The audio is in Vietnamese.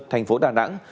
thành phố đà nẵng